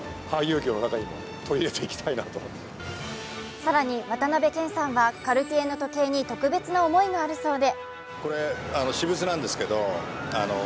更に渡辺謙さんはカルティエの時計に特別な重いがあるそうで。